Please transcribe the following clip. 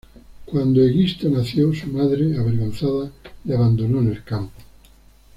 Cuando Egisto nació, su madre, avergonzada, le abandonó en el campo.